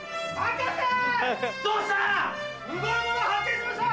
どうした！